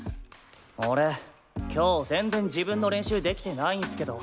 俺今日全然自分の練習できてないんすけど。